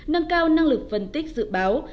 nâng cao năng lực phân tích dự báo